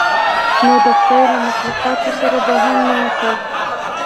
نو د خداى له مخلوقاتو سره به هم مينه کا.